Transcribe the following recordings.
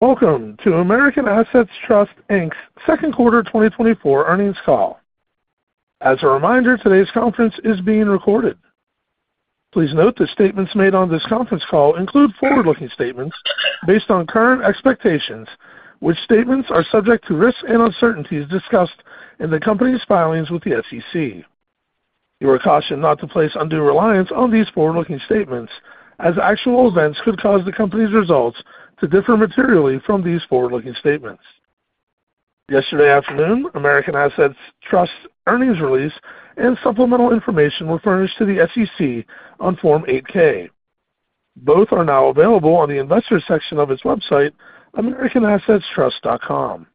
Welcome to American Assets Trust, Inc.'s second quarter 2024 earnings call. As a reminder, today's conference is being recorded. Please note the statements made on this conference call include forward-looking statements based on current expectations, which statements are subject to risks and uncertainties discussed in the company's filings with the SEC. You are cautioned not to place undue reliance on these forward-looking statements, as actual events could cause the company's results to differ materially from these forward-looking statements. Yesterday afternoon, American Assets Trust earnings release and supplemental information were furnished to the SEC on Form 8-K. Both are now available on the investor section of its website, AmericanAssetsTrust.com.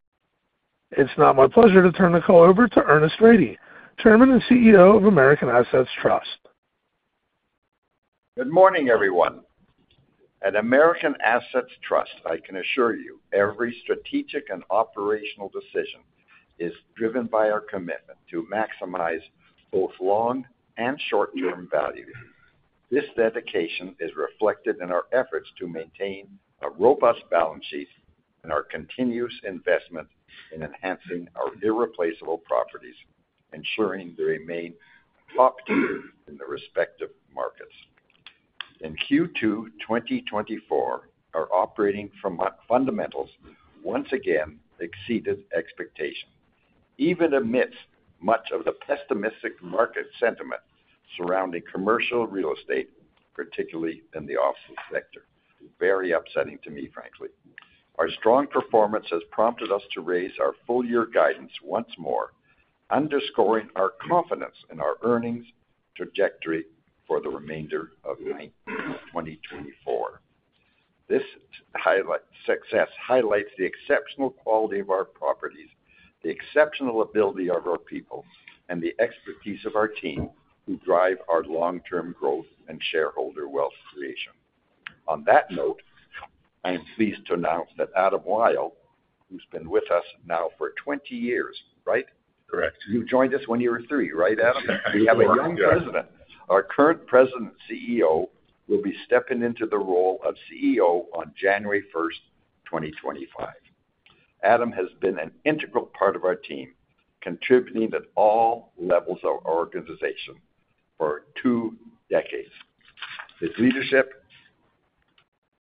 It's now my pleasure to turn the call over to Ernest Rady, Chairman and CEO of American Assets Trust. Good morning, everyone. At American Assets Trust, I can assure you every strategic and operational decision is driven by our commitment to maximize both long and short-term value. This dedication is reflected in our efforts to maintain a robust balance sheet and our continuous investment in enhancing our irreplaceable properties, ensuring they remain top-tier in their respective markets. In Q2 2024, our operating fundamentals once again exceeded expectations, even amidst much of the pessimistic market sentiment surrounding commercial real estate, particularly in the office sector. Very upsetting to me, frankly. Our strong performance has prompted us to raise our full year guidance once more, underscoring our confidence in our earnings trajectory for the remainder of 2024. This success highlights the exceptional quality of our properties, the exceptional ability of our people, and the expertise of our team who drive our long-term growth and shareholder wealth creation. On that note, I am pleased to announce that Adam Wyll, who's been with us now for 20 years, right? Correct. You joined us when you were three, right, Adam? Sure. Yeah. We have a young president. Our current President CEO will be stepping into the role of CEO on January 1, 2025. Adam has been an integral part of our team, contributing at all levels of our organization for two decades. His leadership,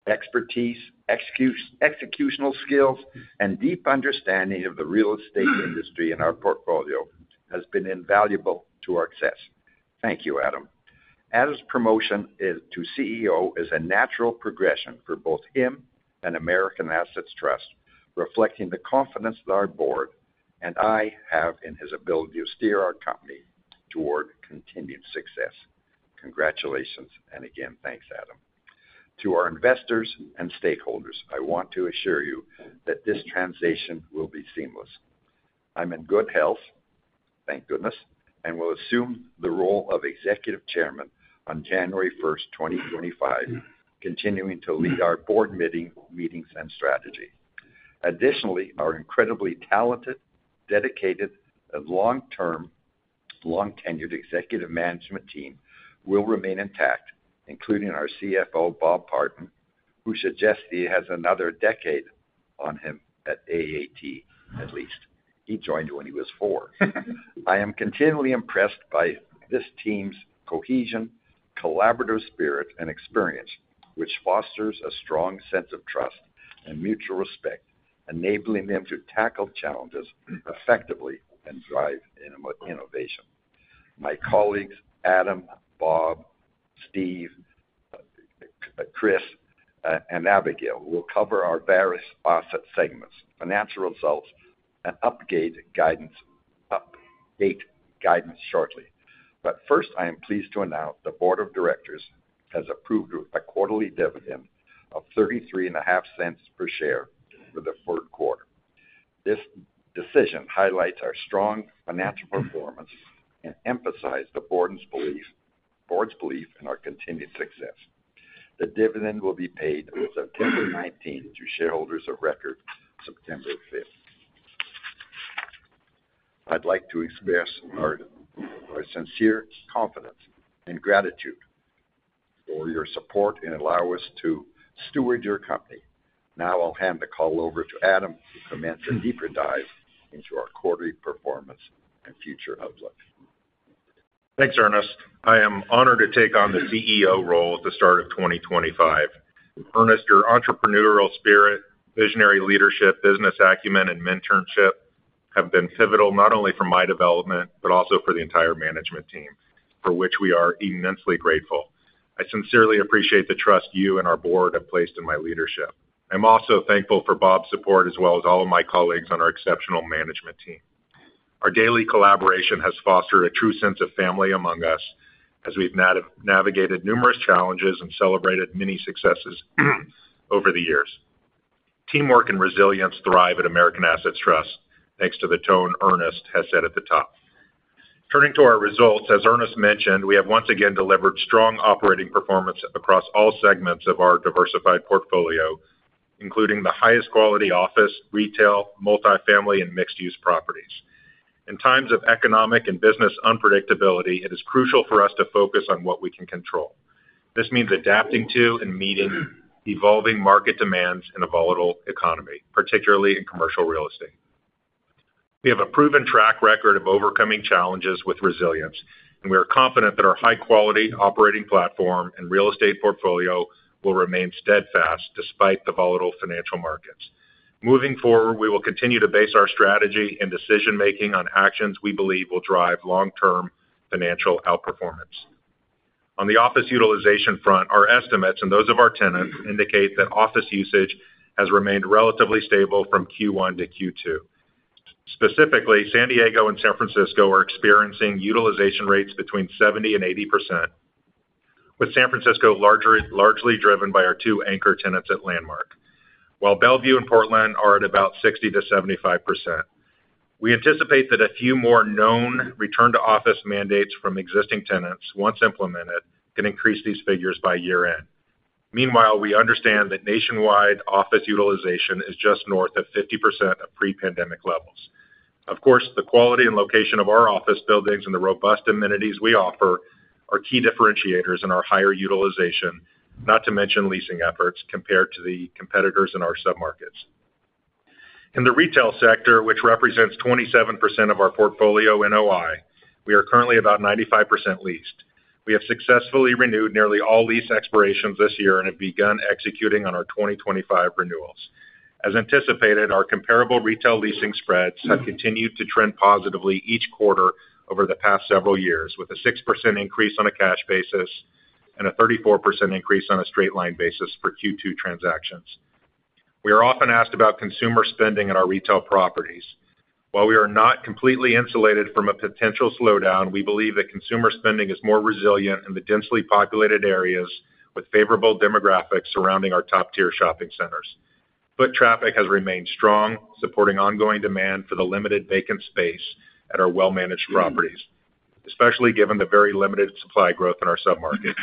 expertise, executional skills, and deep understanding of the real estate industry and our portfolio has been invaluable to our success. Thank you, Adam. Adam's promotion to CEO is a natural progression for both him and American Assets Trust, reflecting the confidence that our board and I have in his ability to steer our company toward continued success. Congratulations, and again, thanks, Adam. To our investors and stakeholders, I want to assure you that this transition will be seamless. I'm in good health, thank goodness, and will assume the role of executive chairman on January 1, 2025, continuing to lead our board meetings and strategy. Additionally, our incredibly talented, dedicated, and long-term, long-tenured executive management team will remain intact, including our CFO, Bob Barton, who suggests he has another decade on him at AAT, at least. He joined when he was four. I am continually impressed by this team's cohesion, collaborative spirit, and experience, which fosters a strong sense of trust and mutual respect, enabling them to tackle challenges effectively and drive innovation. My colleagues Adam, Bob, Steve, Chris, and Abigail will cover our various asset segments, financial results, and upgrade guidance, update guidance shortly. But first, I am pleased to announce the board of directors has approved a quarterly dividend of $0.335 per share for the third quarter. This decision highlights our strong financial performance and emphasize the board's belief in our continued success. The dividend will be paid on September nineteenth to shareholders of record, September fifth. I'd like to express our sincere confidence and gratitude for your support and allow us to steward your company. Now I'll hand the call over to Adam to commence a deeper dive into our quarterly performance and future outlook. Thanks, Ernest. I am honored to take on the CEO role at the start of 2025. Ernest, your entrepreneurial spirit, visionary leadership, business acumen, and mentorship have been pivotal, not only for my development, but also for the entire management team, for which we are immensely grateful. I sincerely appreciate the trust you and our board have placed in my leadership. I'm also thankful for Bob's support, as well as all of my colleagues on our exceptional management team. Our daily collaboration has fostered a true sense of family among us as we've navigated numerous challenges and celebrated many successes over the years. Teamwork and resilience thrive at American Assets Trust, thanks to the tone Ernest has set at the top. Turning to our results, as Ernest mentioned, we have once again delivered strong operating performance across all segments of our diversified portfolio, including the highest quality office, retail, multifamily, and mixed-use properties…. In times of economic and business unpredictability, it is crucial for us to focus on what we can control. This means adapting to and meeting evolving market demands in a volatile economy, particularly in commercial real estate. We have a proven track record of overcoming challenges with resilience, and we are confident that our high-quality operating platform and real estate portfolio will remain steadfast despite the volatile financial markets. Moving forward, we will continue to base our strategy and decision-making on actions we believe will drive long-term financial outperformance. On the office utilization front, our estimates, and those of our tenants, indicate that office usage has remained relatively stable from Q1 to Q2. Specifically, San Diego and San Francisco are experiencing utilization rates between 70-80%, with San Francisco largely driven by our two anchor tenants at Landmark. While Bellevue and Portland are at about 60%-75%. We anticipate that a few more known return-to-office mandates from existing tenants, once implemented, can increase these figures by year-end. Meanwhile, we understand that nationwide office utilization is just north of 50% of pre-pandemic levels. Of course, the quality and location of our office buildings and the robust amenities we offer are key differentiators in our higher utilization, not to mention leasing efforts compared to the competitors in our submarkets. In the retail sector, which represents 27% of our portfolio NOI, we are currently about 95% leased. We have successfully renewed nearly all lease expirations this year and have begun executing on our 2025 renewals. As anticipated, our comparable retail leasing spreads have continued to trend positively each quarter over the past several years, with a 6% increase on a cash basis and a 34% increase on a straight-line basis for Q2 transactions. We are often asked about consumer spending at our retail properties. While we are not completely insulated from a potential slowdown, we believe that consumer spending is more resilient in the densely populated areas with favorable demographics surrounding our top-tier shopping centers. Foot traffic has remained strong, supporting ongoing demand for the limited vacant space at our well-managed properties, especially given the very limited supply growth in our submarkets.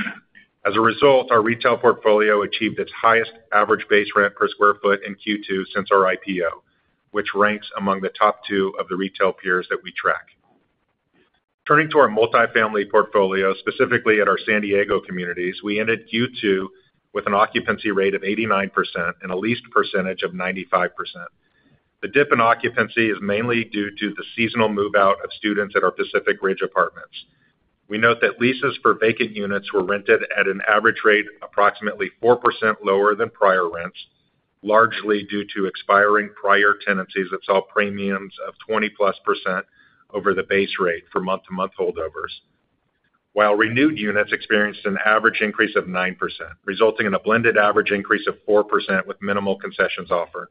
As a result, our retail portfolio achieved its highest average base rent per sq ft in Q2 since our IPO, which ranks among the top two of the retail peers that we track. Turning to our multifamily portfolio, specifically at our San Diego communities, we ended Q2 with an occupancy rate of 89% and a leased percentage of 95%. The dip in occupancy is mainly due to the seasonal move-out of students at our Pacific Ridge apartments. We note that leases for vacant units were rented at an average rate approximately 4% lower than prior rents, largely due to expiring prior tenancies that saw premiums of 20+% over the base rate for month-to-month holdovers. While renewed units experienced an average increase of 9%, resulting in a blended average increase of 4%, with minimal concessions offered.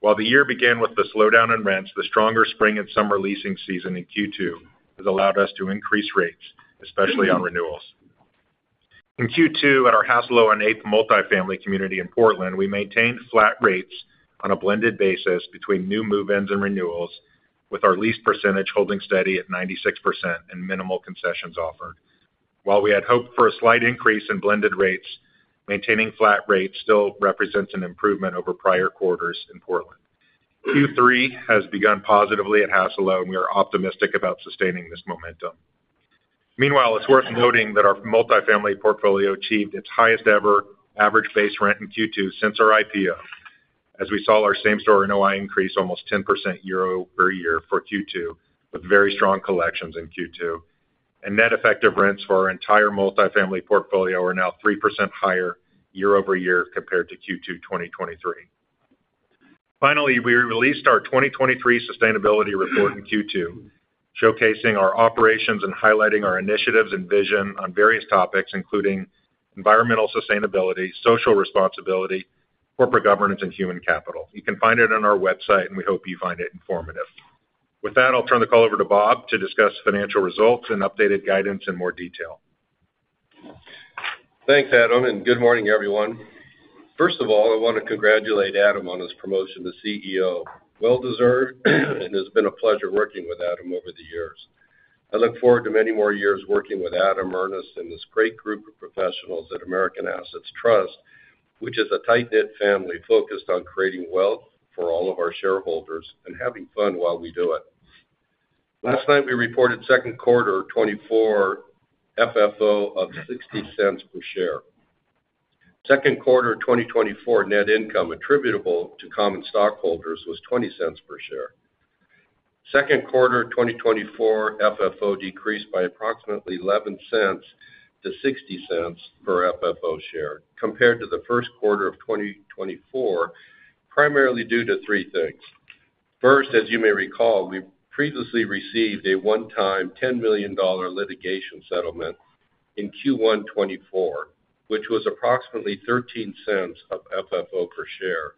While the year began with the slowdown in rents, the stronger spring and summer leasing season in Q2 has allowed us to increase rates, especially on renewals. In Q2, at our Hassalo on Eighth multifamily community in Portland, we maintained flat rates on a blended basis between new move-ins and renewals, with our lease percentage holding steady at 96% and minimal concessions offered. While we had hoped for a slight increase in blended rates, maintaining flat rates still represents an improvement over prior quarters in Portland. Q3 has begun positively at Hassalo, and we are optimistic about sustaining this momentum. Meanwhile, it's worth noting that our multifamily portfolio achieved its highest-ever average base rent in Q2 since our IPO, as we saw our same-store NOI increase almost 10% year-over-year for Q2, with very strong collections in Q2. Net effective rents for our entire multifamily portfolio are now 3% higher year-over-year compared to Q2 2023. Finally, we released our 2023 sustainability report in Q2, showcasing our operations and highlighting our initiatives and vision on various topics, including environmental sustainability, social responsibility, corporate governance, and human capital. You can find it on our website, and we hope you find it informative. With that, I'll turn the call over to Bob to discuss financial results and updated guidance in more detail. Thanks, Adam, and good morning, everyone. First of all, I want to congratulate Adam on his promotion to CEO. Well deserved, and it's been a pleasure working with Adam over the years. I look forward to many more years working with Adam, Ernest, and this great group of professionals at American Assets Trust, which is a tight-knit family focused on creating wealth for all of our shareholders and having fun while we do it. Last night, we reported second quarter 2024 FFO of $0.60 per share. Second quarter 2024 net income attributable to common stockholders was $0.20 per share. Second quarter 2024 FFO decreased by approximately $0.11 to $0.60 per FFO share compared to the first quarter of 2024, primarily due to three things. First, as you may recall, we previously received a one-time $10 million litigation settlement in Q1 2024, which was approximately $0.13 of FFO per share,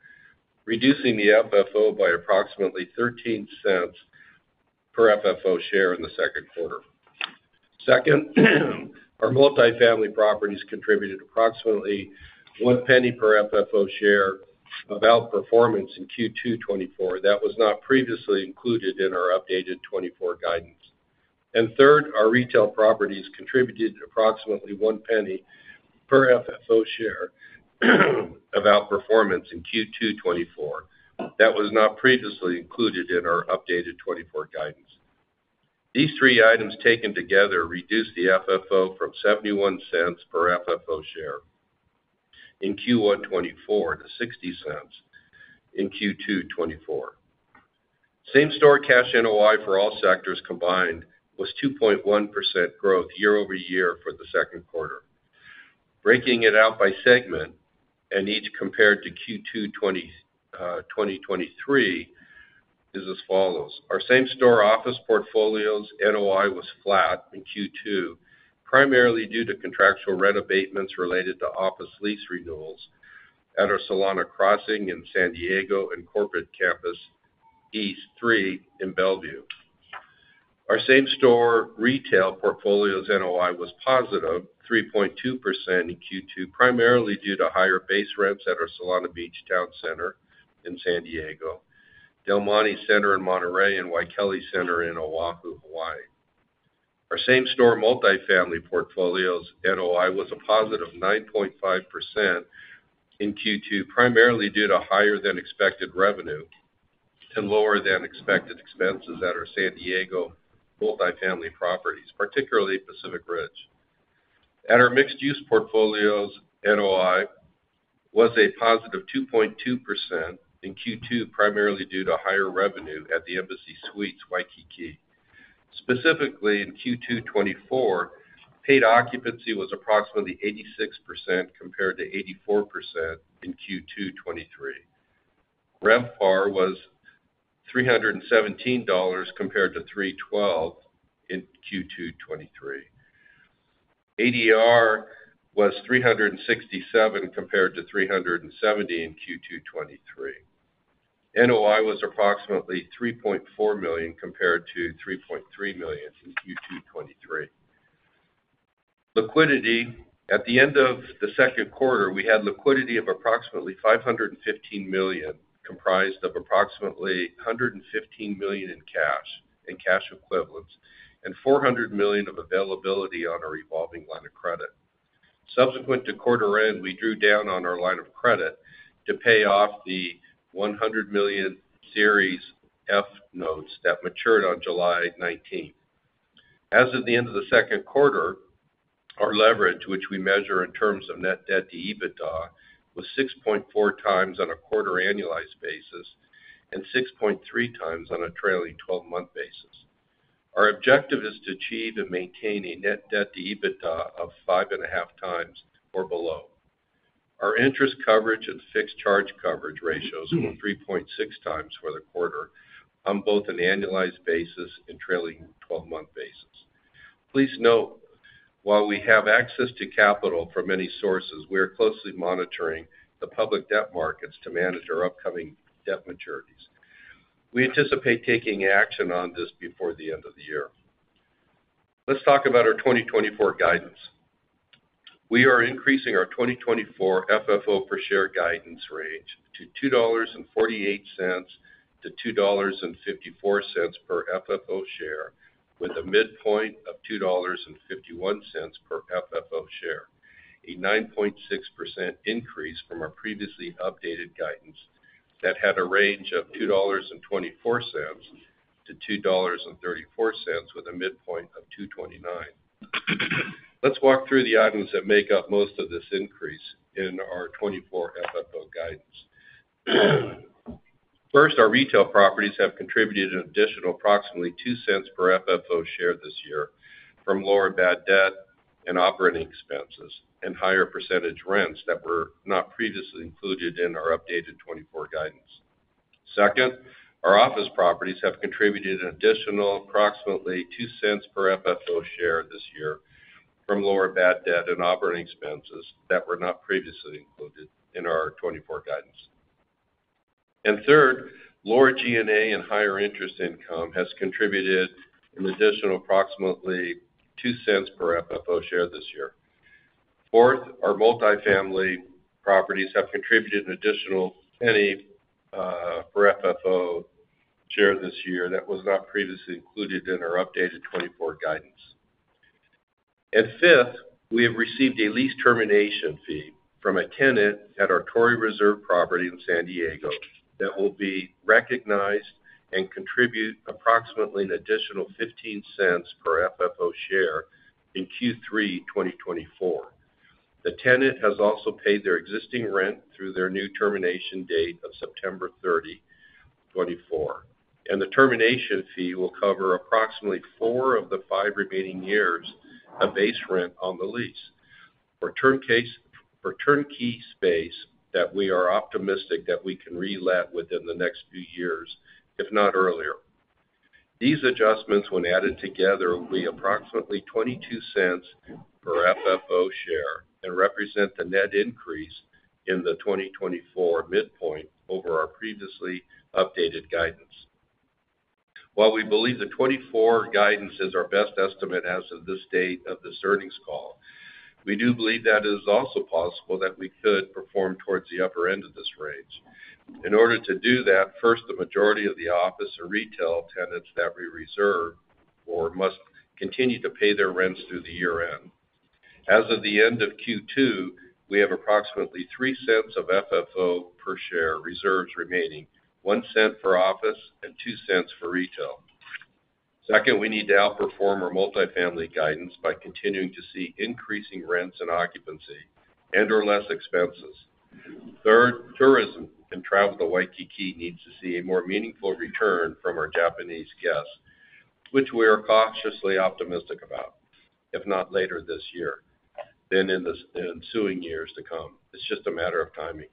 reducing the FFO by approximately $0.13 per FFO share in the second quarter. Second, our multifamily properties contributed approximately $0.01 per FFO share of outperformance in Q2 2024. That was not previously included in our updated 2024 guidance. And third, our retail properties contributed approximately $0.01 per FFO share of outperformance in Q2 2024. That was not previously included in our updated 2024 guidance. These three items, taken together, reduced the FFO from $0.71 per FFO share in Q1 2024 to $0.60 in Q2 2024. Same-store cash NOI for all sectors combined was 2.1% growth year-over-year for the second quarter. Breaking it out by segment, each compared to Q2 2023, is as follows: Our same-store office portfolio's NOI was flat in Q2, primarily due to contractual rent abatements related to office lease renewals at our Solana Crossing in San Diego and Corporate Campus East III in Bellevue. Our same-store retail portfolio's NOI was positive 3.2% in Q2, primarily due to higher base rents at our Solana Beach Towne Centre in San Diego, Del Monte Center in Monterey, and Waikele Center in Oahu, Hawaii. Our same-store multifamily portfolio's NOI was a positive 9.5% in Q2, primarily due to higher-than-expected revenue and lower-than-expected expenses at our San Diego multifamily properties, particularly Pacific Ridge. At our mixed-use portfolio's NOI was a positive 2.2% in Q2, primarily due to higher revenue at the Embassy Suites, Waikiki. Specifically, in Q2 2024, paid occupancy was approximately 86%, compared to 84% in Q2 2023. RevPAR was $317, compared to $312 in Q2 2023. ADR was $367, compared to $370 in Q2 2023. NOI was approximately $3.4 million, compared to $3.3 million in Q2 2023. Liquidity. At the end of the second quarter, we had liquidity of approximately $515 million, comprised of approximately $115 million in cash and cash equivalents, and $400 million of availability on our revolving line of credit. Subsequent to quarter end, we drew down on our line of credit to pay off the $100 million Series F notes that matured on July 19th. As of the end of the second quarter, our leverage, which we measure in terms of net debt to EBITDA, was 6.4 times on a quarter annualized basis and 6.3 times on a trailing twelve-month basis. Our objective is to achieve and maintain a net debt to EBITDA of 5.5 times or below. Our interest coverage and fixed charge coverage ratios were 3.6 times for the quarter on both an annualized basis and trailing twelve-month basis. Please note, while we have access to capital from many sources, we are closely monitoring the public debt markets to manage our upcoming debt maturities. We anticipate taking action on this before the end of the year. Let's talk about our 2024 guidance. We are increasing our 2024 FFO per share guidance range to $2.48-$2.54 FFO per share, with a midpoint of $2.51 FFO per share, a 9.6% increase from our previously updated guidance that had a range of $2.24-$2.34, with a midpoint of $2.29. Let's walk through the items that make up most of this increase in our 2024 FFO guidance. First, our retail properties have contributed an additional approximately $0.02 FFO per share this year from lower bad debt and operating expenses, and higher percentage rents that were not previously included in our updated 2024 guidance. Second, our office properties have contributed an additional approximately $0.02 per FFO share this year from lower bad debt and operating expenses that were not previously included in our 2024 guidance. Third, lower G&A and higher interest income has contributed an additional approximately $0.02 per FFO share this year. Fourth, our multifamily properties have contributed an additional $0.01 per FFO share this year that was not previously included in our updated 2024 guidance. Fifth, we have received a lease termination fee from a tenant at our Torrey Reserve property in San Diego that will be recognized and contribute approximately an additional $0.15 per FFO share in Q3 2024. The tenant has also paid their existing rent through their new termination date of September 30, 2024, and the termination fee will cover approximately 4 of the 5 remaining years of base rent on the lease. For turnkey space, that we are optimistic that we can relet within the next few years, if not earlier. These adjustments, when added together, will be approximately $0.22 per FFO share and represent the net increase in the 2024 midpoint over our previously updated guidance. While we believe the 2024 guidance is our best estimate as of this date of this earnings call, we do believe that it is also possible that we could perform towards the upper end of this range... In order to do that, first, the majority of the office or retail tenants that we reserve for must continue to pay their rents through the year-end. As of the end of Q2, we have approximately $0.03 of FFO per share reserves remaining, $0.01 for office and $0.02 for retail. Second, we need to outperform our multifamily guidance by continuing to see increasing rents and occupancy and/or less expenses. Third, tourism and travel to Waikiki needs to see a more meaningful return from our Japanese guests, which we are cautiously optimistic about, if not later this year, then in the ensuing years to come. It's just a matter of timing.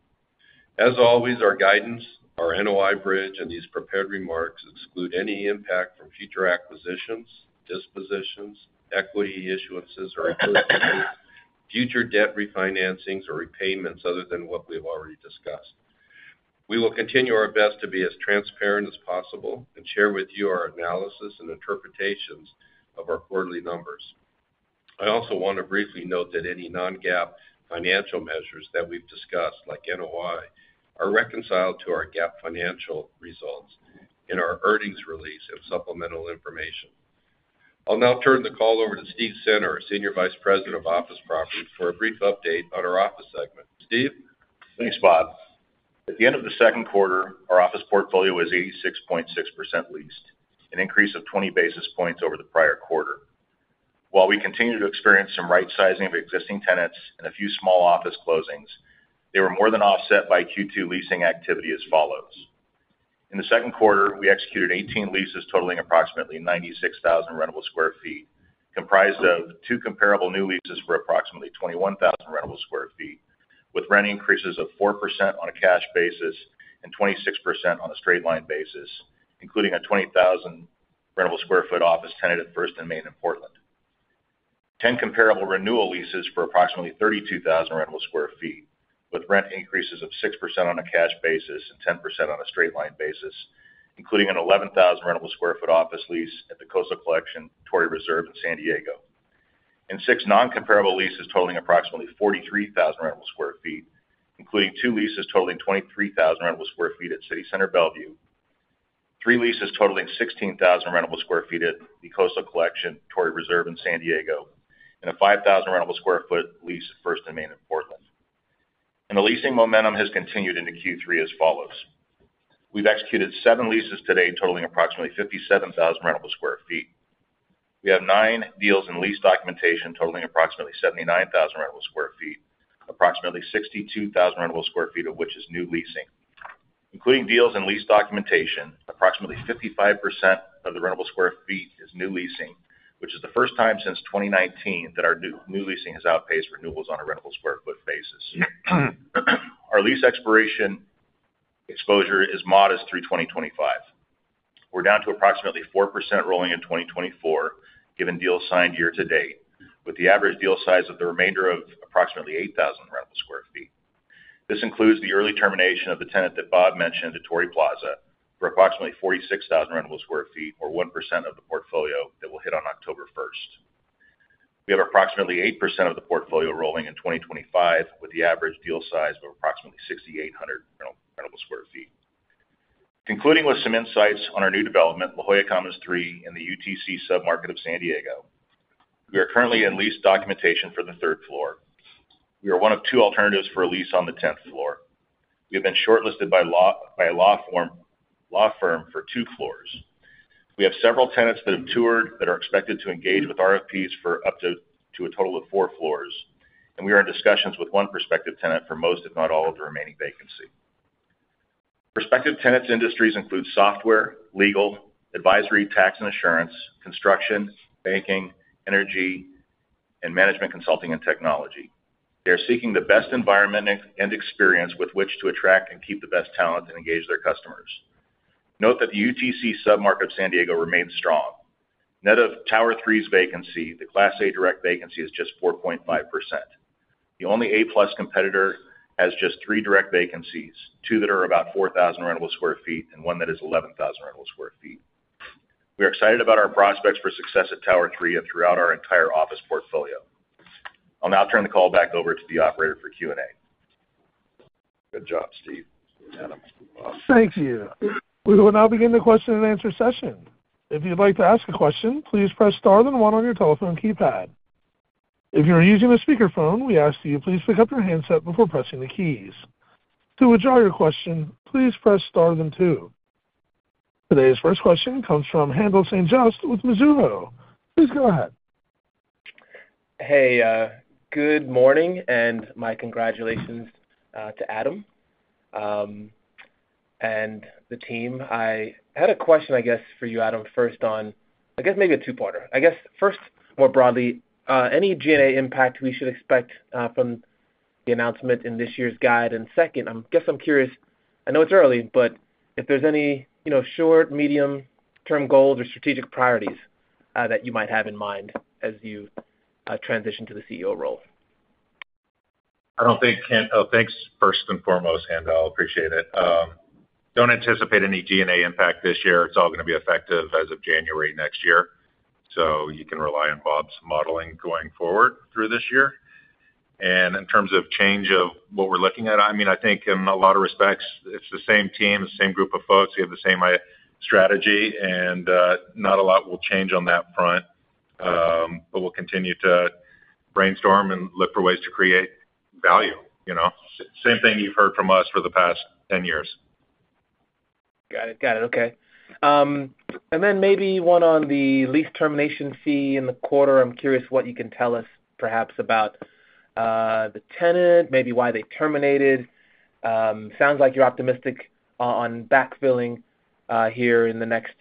As always, our guidance, our NOI bridge, and these prepared remarks exclude any impact from future acquisitions, dispositions, equity issuances, or acquisitions, future debt refinancings or repayments other than what we've already discussed. We will continue our best to be as transparent as possible and share with you our analysis and interpretations of our quarterly numbers. I also want to briefly note that any non-GAAP financial measures that we've discussed, like NOI, are reconciled to our GAAP financial results in our earnings release and supplemental information. I'll now turn the call over to Steve Center, our Senior Vice President of Office Properties, for a brief update on our office segment. Steve? Thanks, Bob. At the end of the second quarter, our office portfolio was 86.6% leased, an increase of 20 basis points over the prior quarter. While we continue to experience some rightsizing of existing tenants and a few small office closings, they were more than offset by Q2 leasing activity as follows: In the second quarter, we executed 18 leases totaling approximately 96,000 rentable sq ft, comprised of two comparable new leases for approximately 21,000 rentable sq ft, with rent increases of 4% on a cash basis and 26% on a straight-line basis, including a 20,000 rentable square foot office tenanted at First & Main in Portland. 10 comparable renewal leases for approximately 32,000 rentable sq ft, with rent increases of 6% on a cash basis and 10% on a straight-line basis, including an 11,000 rentable sq ft office lease at The Coastal Collection, Torrey Reserve in San Diego. Six non-comparable leases totaling approximately 43,000 rentable sq ft, including 2 leases totaling 23,000 rentable sq ft at City Center Bellevue, 3 leases totaling 16,000 rentable sq ft at The Coastal Collection, Torrey Reserve in San Diego, and a 5,000 rentable sq ft lease at First & Main in Portland. The leasing momentum has continued into Q3 as follows: We've executed 7 leases today, totaling approximately 57,000 rentable sq ft. We have 9 deals in lease documentation totaling approximately 79,000 rentable sq ft, approximately 62,000 rentable sq ft of which is new leasing. Including deals and lease documentation, approximately 55% of the rentable sq ft is new leasing, which is the first time since 2019 that our new, new leasing has outpaced renewals on a rentable sq ft basis. Our lease expiration exposure is modest through 2025. We're down to approximately 4% rolling in 2024, given deals signed year to date, with the average deal size of the remainder of approximately 8,000 rentable sq ft. This includes the early termination of the tenant that Bob mentioned at Torrey Reserve for approximately 46,000 rentable sq ft, or 1% of the portfolio that will hit on October 1. We have approximately 8% of the portfolio rolling in 2025, with the average deal size of approximately 6,800 rentable sq ft. Concluding with some insights on our new development, La Jolla Commons III, in the UTC submarket of San Diego. We are currently in lease documentation for the third floor. We are one of two alternatives for a lease on the tenth floor. We have been shortlisted by a law firm for two floors. We have several tenants that have toured that are expected to engage with RFPs for up to a total of four floors, and we are in discussions with one prospective tenant for most, if not all, of the remaining vacancy. Prospective tenants industries include software, legal, advisory, tax and insurance, construction, banking, energy, and management, consulting, and technology. They are seeking the best environment and experience with which to attract and keep the best talent and engage their customers. Note that the UTC submarket of San Diego remains strong. Net of Tower III's vacancy, the Class A direct vacancy is just 4.5%. The only A+ competitor has just three direct vacancies, two that are about 4,000 rentable sq ft and one that is 11,000 rentable sq ft. We are excited about our prospects for success at Tower III and throughout our entire office portfolio. I'll now turn the call back over to the operator for Q&A. Good job, Steve. Adam, wow. Thank you. We will now begin the question-and-answer session. If you'd like to ask a question, please press star then one on your telephone keypad. If you are using a speakerphone, we ask that you please pick up your handset before pressing the keys. To withdraw your question, please press star then two. Today's first question comes from Haendel St. Juste with Mizuho. Please go ahead. Hey, good morning, and my congratulations to Adam and the team. I had a question, I guess, for you, Adam, first on... I guess maybe a two-parter. I guess, first, more broadly, any G&A impact we should expect from the announcement in this year's guide? And second, I guess I'm curious, I know it's early, but if there's any, you know, short, medium-term goals or strategic priorities that you might have in mind as you transition to the CEO role. Oh, thanks, first and foremost, Haendel. I appreciate it. Don't anticipate any G&A impact this year. It's all going to be effective as of January next year.... So you can rely on Bob's modeling going forward through this year. And in terms of change of what we're looking at, I mean, I think in a lot of respects, it's the same team, the same group of folks. We have the same strategy, and not a lot will change on that front. But we'll continue to brainstorm and look for ways to create value, you know? Same thing you've heard from us for the past 10 years. Got it. Got it, okay. And then maybe one on the lease termination fee in the quarter. I'm curious what you can tell us perhaps about the tenant, maybe why they terminated. Sounds like you're optimistic on backfilling here in the next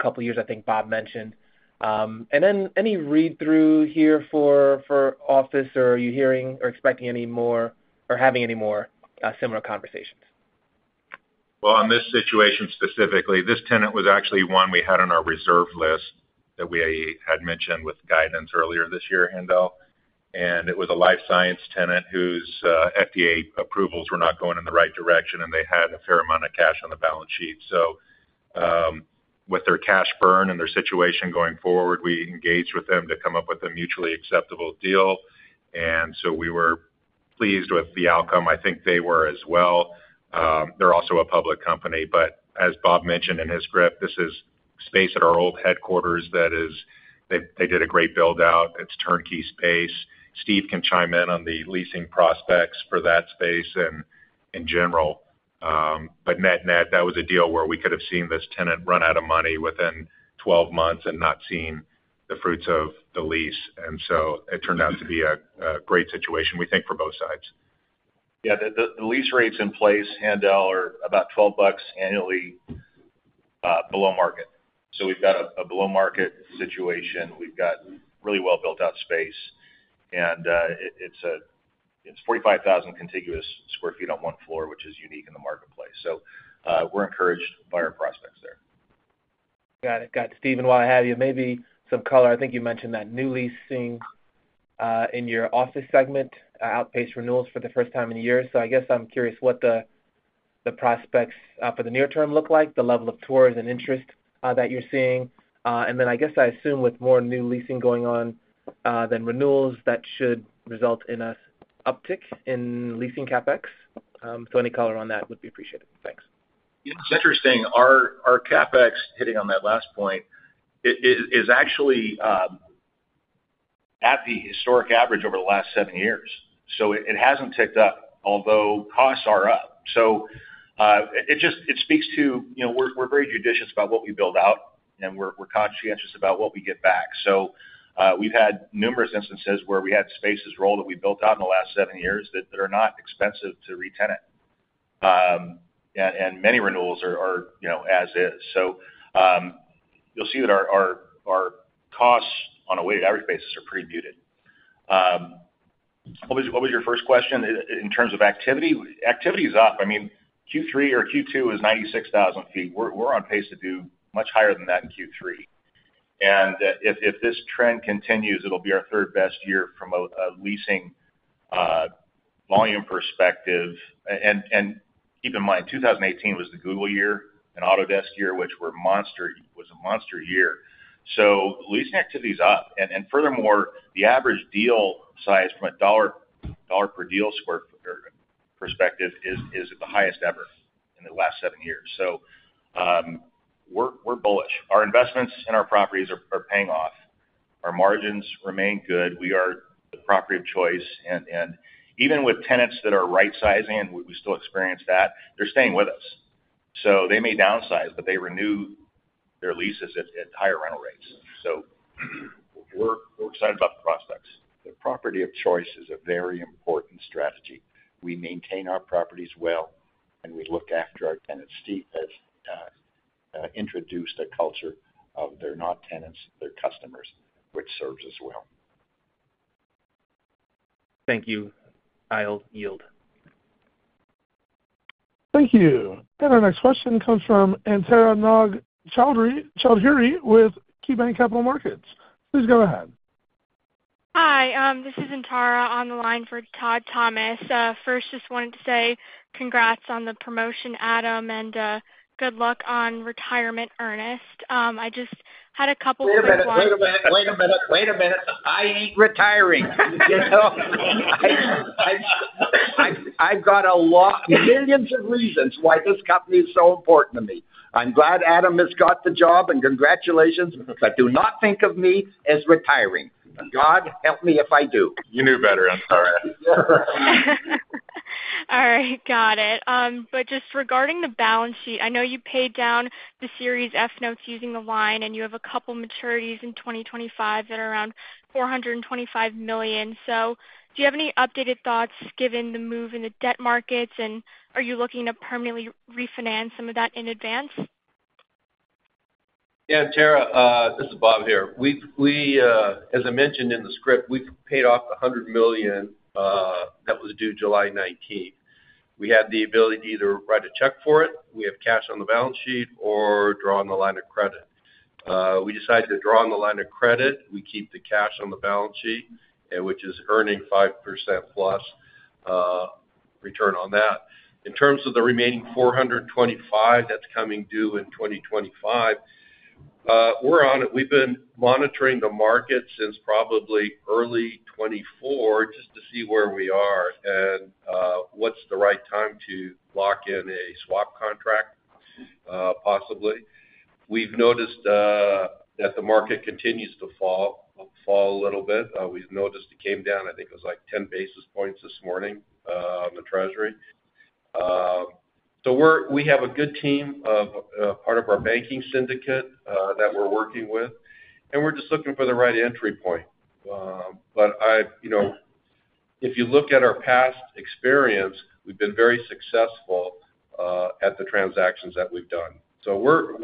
couple years, I think Bob mentioned. And then any read-through here for office, or are you hearing or expecting any more or having any more similar conversations? Well, on this situation, specifically, this tenant was actually one we had on our reserve list that we had mentioned with guidance earlier this year, Hendel, and it was a life science tenant whose FDA approvals were not going in the right direction, and they had a fair amount of cash on the balance sheet. So, with their cash burn and their situation going forward, we engaged with them to come up with a mutually acceptable deal, and so we were pleased with the outcome. I think they were as well. They're also a public company, but as Bob mentioned in his script, this is space at our old headquarters. That is, they, they did a great build-out. It's turnkey space. Steve can chime in on the leasing prospects for that space and in general. But net-net, that was a deal where we could have seen this tenant run out of money within 12 months and not seen the fruits of the lease, and so it turned out to be a great situation, we think, for both sides. Yeah, the lease rates in place, Haendel, are about $12 annually below market. So we've got a below market situation. We've got really well built out space, and it's 45,000 contiguous sq ft on one floor, which is unique in the marketplace. So we're encouraged by our prospects there. Got it. Got it. Steve, and while I have you, maybe some color. I think you mentioned that new leasing in your office segment outpaced renewals for the first time in a year. So I guess I'm curious what the prospects for the near term look like, the level of tours and interest that you're seeing. And then I guess I assume with more new leasing going on than renewals, that should result in an uptick in leasing CapEx. So any color on that would be appreciated. Thanks. It's interesting. Our CapEx, hitting on that last point, is actually at the historic average over the last 7 years, so it hasn't ticked up, although costs are up. So, it just speaks to, you know, we're very judicious about what we build out, and we're conscientious about what we get back. So, we've had numerous instances where we had spaces roll that we built out in the last 7 years that are not expensive to retenant. And many renewals are, you know, as is. So, you'll see that our costs on a weighted average basis are pretty muted. What was your first question? In terms of activity? Activity is up. I mean, Q3 or Q2 is 96,000 feet. We're on pace to do much higher than that in Q3. And if this trend continues, it'll be our third-best year from a leasing volume perspective. And keep in mind, 2018 was the Google year and Autodesk year, which were monster—was a monster year. So leasing activity is up, and furthermore, the average deal size from a dollar per square foot perspective is the highest ever in the last seven years. So we're bullish. Our investments in our properties are paying off. Our margins remain good. We are the property of choice, and even with tenants that are rightsizing, and we still experience that, they're staying with us. So they may downsize, but they renew their leases at higher rental rates. So we're excited about the prospects. The property of choice is a very important strategy. We maintain our properties well, and we look after our tenants. Steve has introduced a culture of they're not tenants, they're customers, which serves us well. Thank you. I'll yield. Thank you. And our next question comes from Antara Nag Chaudhuri with KeyBanc Capital Markets. Please go ahead. Hi, this is Antara on the line for Todd Thomas. First, just wanted to say congrats on the promotion, Adam, and good luck on retirement, Ernest. I just had a couple- Wait a minute. Wait a minute. Wait a minute. Wait a minute. I ain't retiring. You know, I, I've got a lot, millions of reasons why this company is so important to me. I'm glad Adam has got the job, and congratulations, but do not think of me as retiring. God, help me if I do. You knew better, Antara. All right, got it. But just regarding the balance sheet, I know you paid down the Series F notes using the line, and you have a couple maturities in 2025 that are around $425 million. So do you have any updated thoughts, given the move in the debt markets, and are you looking to permanently refinance some of that in advance? Yeah, Antara, this is Bob here. We've, as I mentioned in the script, we've paid off $100 million that was due July 19th. We had the ability to either write a check for it, we have cash on the balance sheet or draw on the line of credit. We decided to draw on the line of credit. We keep the cash on the balance sheet, and which is earning 5%+ return on that. In terms of the remaining $425 million that's coming due in 2025, we're on it. We've been monitoring the market since probably early 2024, just to see where we are and what's the right time to lock in a swap contract, possibly. We've noticed that the market continues to fall a little bit. We've noticed it came down. I think it was like 10 basis points this morning on the Treasury. So we have a good team, part of our banking syndicate that we're working with, and we're just looking for the right entry point. But I, you know, if you look at our past experience, we've been very successful at the transactions that we've done. So we're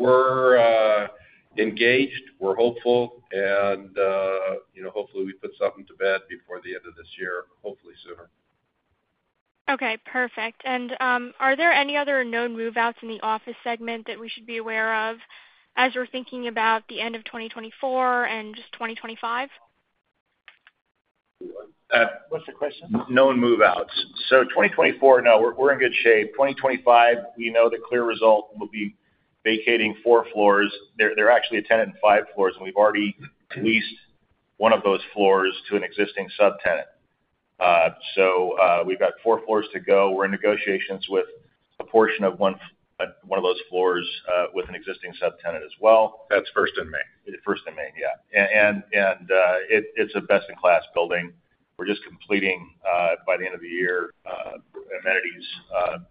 engaged, we're hopeful, and, you know, hopefully we put something to bed before the end of this year, hopefully sooner. Okay, perfect. And, are there any other known move-outs in the office segment that we should be aware of as we're thinking about the end of 2024 and just 2025? Uh- What's the question? Known move-outs. So 2024, no, we're in good shape. 2025, we know the CLEAResult will be vacating 4 floors. They're actually a tenant in 5 floors, and we've already leased one of those floors to an existing subtenant. So, we've got 4 floors to go. We're in negotiations with a portion of one of those floors with an existing subtenant as well. That's first in May. First in May, yeah. And it's a best-in-class building. We're just completing by the end of the year amenities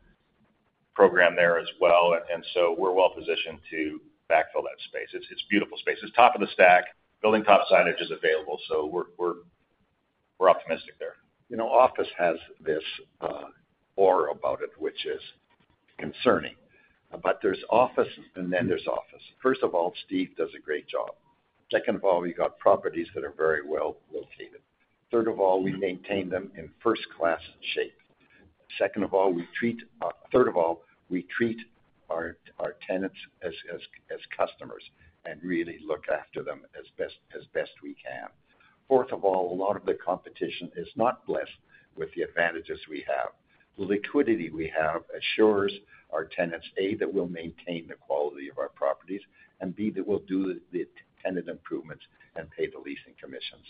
program there as well, and so we're well positioned to backfill that space. It's beautiful space. It's top of the stack. Building top signage is available, so we're optimistic there. You know, office has this aura about it, which is concerning, but there's office and then there's office. First of all, Steve does a great job. Second of all, we've got properties that are very well located. Third of all, we maintain them in first-class shape. Third of all, we treat our tenants as customers and really look after them as best we can. Fourth of all, a lot of the competition is not blessed with the advantages we have. The liquidity we have assures our tenants, A, that we'll maintain the quality of our properties, and B, that we'll do the tenant improvements and pay the leasing commissions.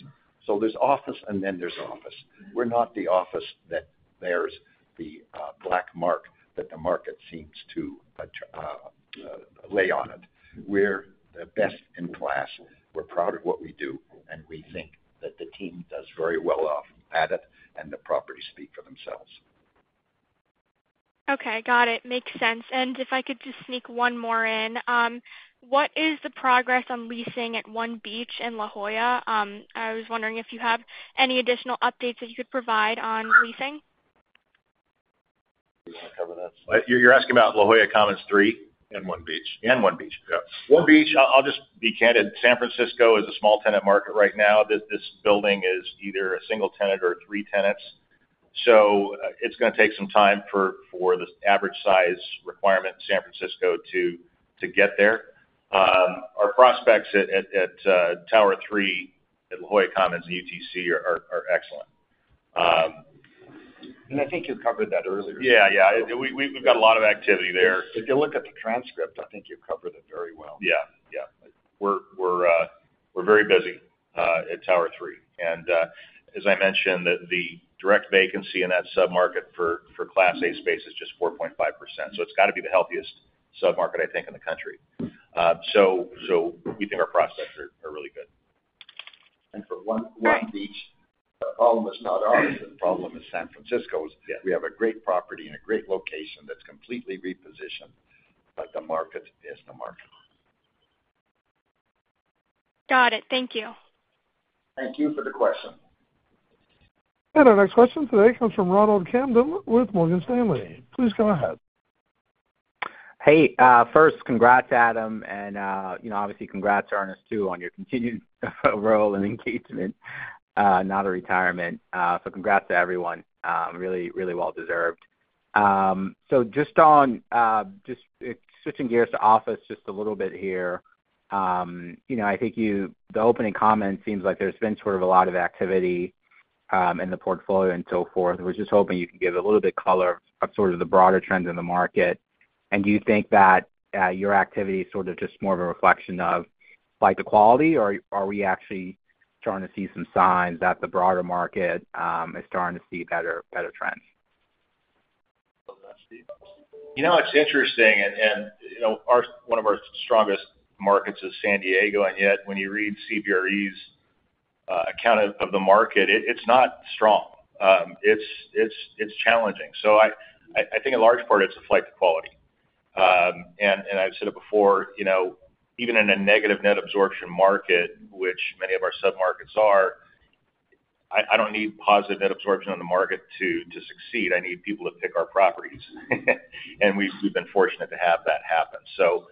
So there's office, and then there's office. We're not the office that bears the black mark that the market seems to lay on it. We're the best in class. We're proud of what we do, and we think that the team does very well off at it, and the properties speak for themselves. Okay, got it. Makes sense. If I could just sneak one more in. What is the progress on leasing at One Beach in La Jolla? I was wondering if you have any additional updates that you could provide on leasing? You want to cover that? You're asking about La Jolla Commons III? One Beach. One Beach. Yeah. One Beach, I'll just be candid. San Francisco is a small tenant market right now. This building is either a single tenant or three tenants, so it's gonna take some time for the average size requirement in San Francisco to get there. Our prospects at Tower III at La Jolla Commons and UTC are excellent. I think you covered that earlier. Yeah, yeah. We've got a lot of activity there. If you look at the transcript, I think you covered it very well. Yeah. Yeah. We're very busy at Tower III. And as I mentioned, the direct vacancy in that submarket for Class A space is just 4.5%, so it's got to be the healthiest submarket, I think, in the country. So we think our prospects are really good. For One Beach, the problem is not ours, the problem is San Francisco's. Yeah. We have a great property and a great location that's completely repositioned, but the market is the market. Got it. Thank you. Thank you for the question. Our next question today comes from Ronald Kamdem with Morgan Stanley. Please go ahead. Hey, first, congrats, Adam, and, you know, obviously, congrats to Ernest, too, on your continued role and engagement, not a retirement. So congrats to everyone. Really, really well deserved. So just on, just switching gears to office just a little bit here. You know, I think you—the opening comment seems like there's been sort of a lot of activity, in the portfolio and so forth. I was just hoping you could give a little bit color on sort of the broader trends in the market. And do you think that, your activity is sort of just more of a reflection of flight to quality, or are we actually starting to see some signs that the broader market, is starting to see better, better trends? You know, it's interesting, and you know, one of our strongest markets is San Diego, and yet when you read CBRE's account of the market, it's not strong. It's challenging. So I think a large part it's a flight to quality. And I've said it before, you know, even in a negative net absorption market, which many of our submarkets are, I don't need positive net absorption on the market to succeed. I need people to pick our properties. And we've been fortunate to have that happen. So,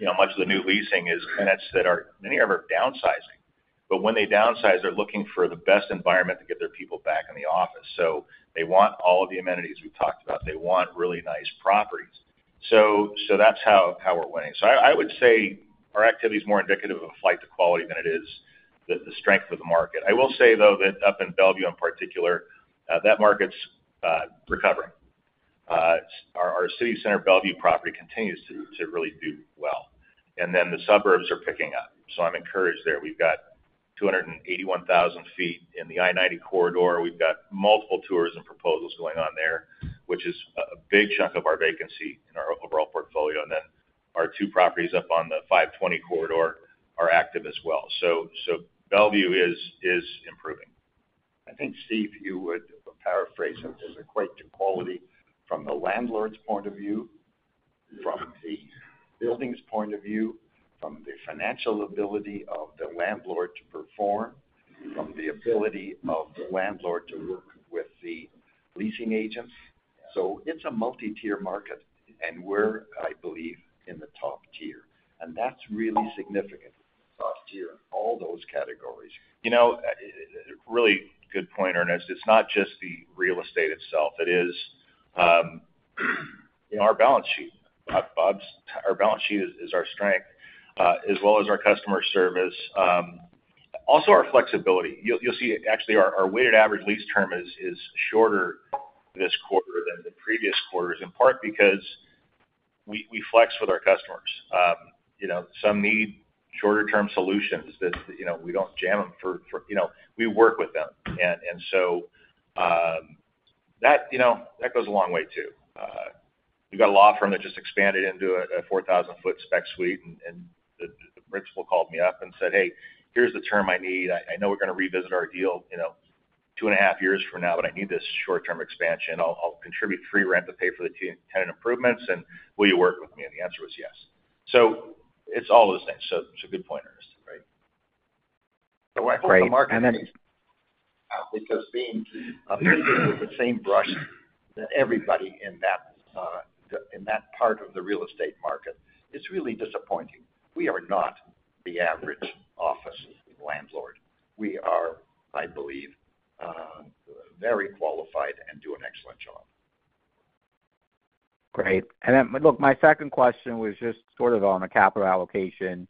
you know, much of the new leasing is tenants that are, many of them are downsizing, but when they downsize, they're looking for the best environment to get their people back in the office. So they want all of the amenities we've talked about. They want really nice properties.... So that's how we're winning. So I would say our activity is more indicative of a flight to quality than it is the strength of the market. I will say, though, that up in Bellevue, in particular, that market's recovering. Our City Center Bellevue property continues to really do well, and then the suburbs are picking up. So I'm encouraged there. We've got 281,000 sq ft in the I-90 Corridor. We've got multiple tours and proposals going on there, which is a big chunk of our vacancy in our overall portfolio. And then our two properties up on the 520 corridor are active as well. So Bellevue is improving. I think, Steve, you would paraphrase it as equate to quality from the landlord's point of view, from the building's point of view, from the financial ability of the landlord to perform, from the ability of the landlord to work with the leasing agents. So it's a multi-tier market, and we're, I believe, in the top tier, and that's really significant. Top tier. All those categories. You know, really good point, Ernest. It's not just the real estate itself. It is, you know, our balance sheet. Bob's our balance sheet is, is our strength, as well as our customer service, also our flexibility. You'll, you'll see, actually, our, our weighted average lease term is, is shorter this quarter than the previous quarters, in part because we, we flex with our customers. You know, some need shorter-term solutions that, you know, we don't jam them for. You know, we work with them. And so, that, you know, that goes a long way, too. We've got a law firm that just expanded into a 4,000 sq ft spec suite, and the principal called me up and said, "Hey, here's the term I need. I know we're gonna revisit our deal, you know, two and a half years from now, but I need this short-term expansion. I'll contribute free rent to pay for the tenant improvements, and will you work with me?" And the answer was yes. So it's all those things. So it's a good point, Ernest. Great. So I hope the market, because being painted with the same brush, that everybody in that part of the real estate market, it's really disappointing. We are not the average office landlord. We are, I believe, very qualified and do an excellent job. Great. And then, look, my second question was just sort of on the capital allocation.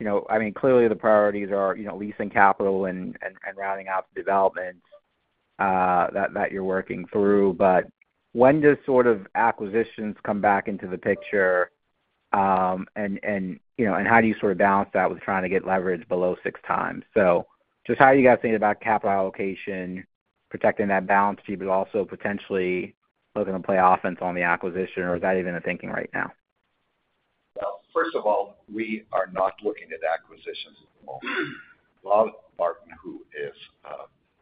You know, I mean, clearly, the priorities are, you know, leasing capital and rounding out the development that you're working through. But when does sort of acquisitions come back into the picture? And you know, how do you sort of balance that with trying to get leverage below six times? So just how are you guys thinking about capital allocation, protecting that balance sheet, but also potentially looking to play offense on the acquisition, or is that even a thing right now? Well, first of all, we are not looking at acquisitions at the moment. Bob Barton, who is,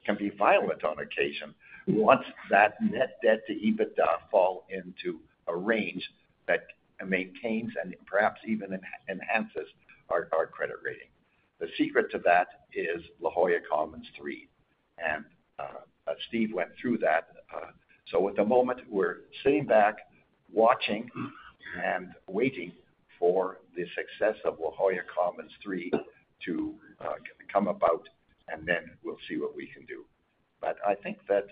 can be violent on occasion, wants that net debt to EBITDA fall into a range that maintains and perhaps even enhances our, our credit rating. The secret to that is La Jolla Commons III, and, Steve went through that. So at the moment, we're sitting back, watching and waiting for the success of La Jolla Commons III to, come about, and then we'll see what we can do. But I think that,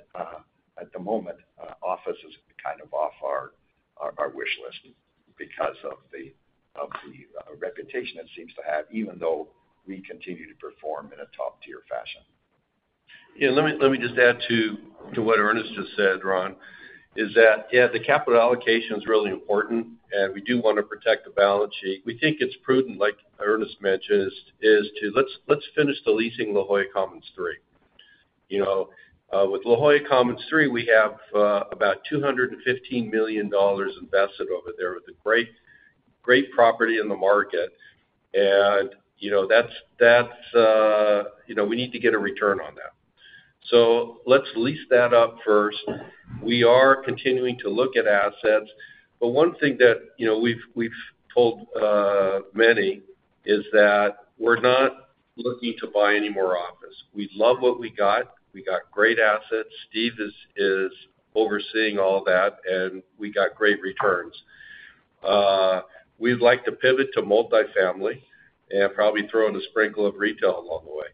at the moment, office is kind of off our, our, our wish list because of the, of the, reputation it seems to have, even though we continue to perform in a top-tier fashion. Yeah, let me, let me just add to, to what Ernest just said, Ron, is that, yeah, the capital allocation is really important, and we do want to protect the balance sheet. We think it's prudent, like Ernest mentioned, is to let's, let's finish the leasing La Jolla Commons III. You know, with La Jolla Commons III, we have about $215 million invested over there with a great, great property in the market, and, you know, that's, that's... You know, we need to get a return on that. So let's lease that up first. We are continuing to look at assets, but one thing that, you know, we've, we've told many is that we're not looking to buy any more office. We love what we got. We got great assets. Steve is, is overseeing all that, and we got great returns. We'd like to pivot to multifamily and probably throw in a sprinkle of retail along the way.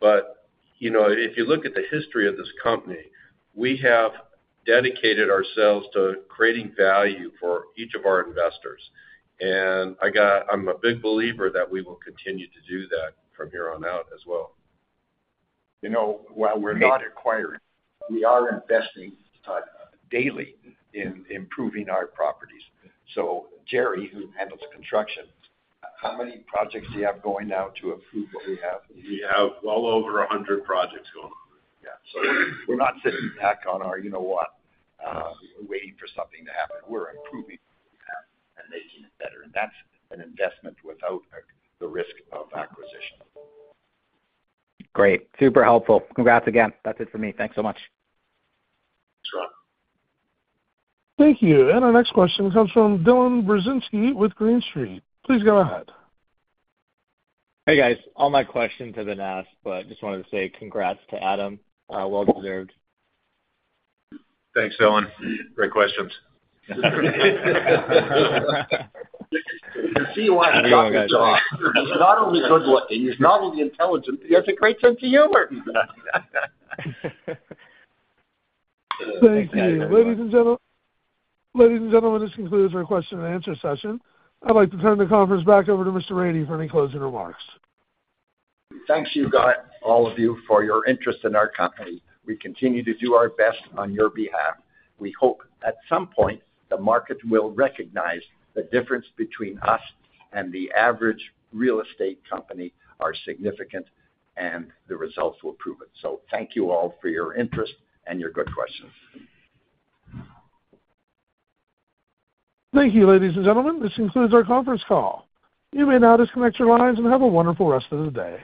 But, you know, if you look at the history of this company, we have dedicated ourselves to creating value for each of our investors, and I'm a big believer that we will continue to do that from here on out as well. You know, while we're not acquiring, we are investing daily in improving our properties. So Jerry, who handles the construction, how many projects do you have going now to improve what we have? We have well over 100 projects going. Yeah. So we're not sitting back on our, you know what, waiting for something to happen. We're improving and making it better, and that's an investment without the risk of acquisition. Great. Super helpful. Congrats again. That's it for me. Thanks so much. Thanks, Ron. Thank you. Our next question comes from Dylan Burzinski with Green Street. Please go ahead. Hey, guys. All my questions have been asked, but just wanted to say congrats to Adam. Well deserved. Thanks, Dylan. Great questions. You can see why he got the job. He's not only good-looking, he's not only intelligent, he has a great sense of humor! Thank you. Ladies and gentlemen, this concludes our question and answer session. I'd like to turn the conference back over to Mr. Rady for any closing remarks. Thanks, all of you, for your interest in our company. We continue to do our best on your behalf. We hope at some point the market will recognize the difference between us and the average real estate company are significant, and the results will prove it. So thank you all for your interest and your good questions. Thank you, ladies and gentlemen. This concludes our conference call. You may now disconnect your lines and have a wonderful rest of the day.